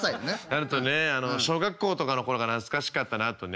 あとね小学校とかの頃が懐かしかったなとね。